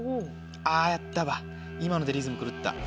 あぁやったわ今のでリズム狂った。